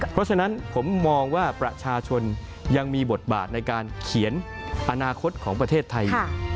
เพราะฉะนั้นผมมองว่าประชาชนยังมีบทบาทในการเขียนอนาคตของประเทศไทยอยู่